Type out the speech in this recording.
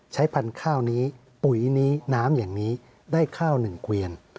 พันธุ์ข้าวนี้ปุ๋ยนี้น้ำอย่างนี้ได้ข้าวหนึ่งเกวียน